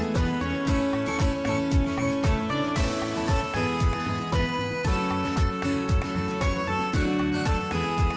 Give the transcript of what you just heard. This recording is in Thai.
สวัสดีครับ